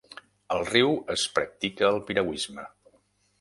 Al riu es practica el piragüisme.